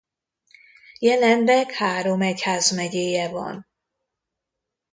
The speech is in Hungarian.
Jelenleg három egyházmegyéje van.